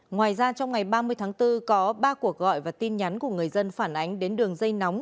ngoài ra trong ngày ba mươi tháng bốn có ba cuộc gọi và tin nhắn của người dân phản ánh đến đường dây nóng